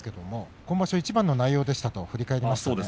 今場所いちばんの内容ですと振り返りました。